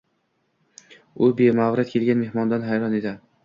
U bemavrid kelgan mehmondan hayron edi.